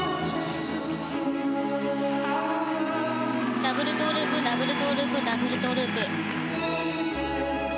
ダブルトウループダブルトウループダブルトウループ。